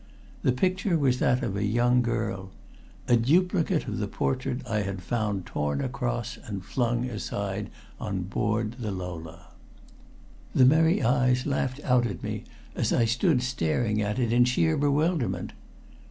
The picture was that of a young girl a duplicate of the portrait I had found torn across and flung aside on board the Lola! The merry eyes laughed out at me as I stood staring at it in sheer bewilderment.